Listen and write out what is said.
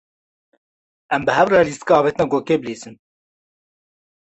Em bi hev re lîstika avêtina gogê bilîzin.